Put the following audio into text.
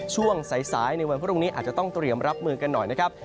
ช่วงสายในวันพรุ่งนี้อาจจะต้องเตรียมรับมือกันหน่อยนะครับ